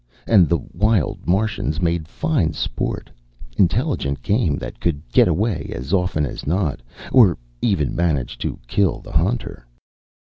And the wild Martians made fine sport intelligent game, that could get away as often as not, or even manage to kill the hunter."